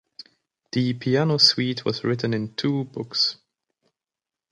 This piano suite was written in two books.